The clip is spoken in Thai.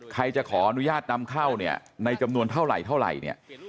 ใครจะขออนุญาตนำเข้าเนี่ยในจำนวนเท่าไหร่เท่าไหร่เนี่ย